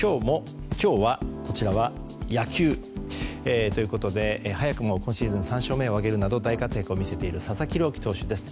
今日は野球ということで早くも今シーズン３勝目を挙げるなど大活躍を見せている佐々木朗希投手です。